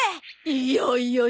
いよいよよ！